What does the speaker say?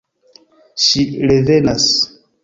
Ŝi revenas.